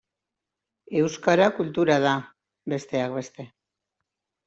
Euskara kultura da, besteak beste.